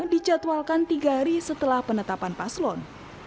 dijadwalkan tiga hari setelah penetapan paslon